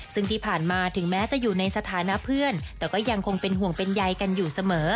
ซึ่งที่ผ่านมาถึงแม้จะอยู่ในสถานะเพื่อนแต่ก็ยังคงเป็นห่วงเป็นใยกันอยู่เสมอ